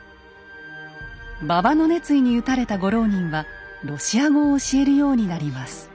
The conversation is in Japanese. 馬場の熱意に打たれたゴローウニンはロシア語を教えるようになります。